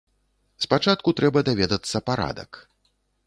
Спачатку трэба даведацца парадак.